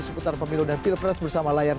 seputar pemilu dan pilpres bersama layar